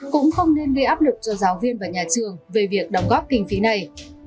cũng không nên gây áp lực cho giáo viên và nhà trường về việc đóng góp kinh phí này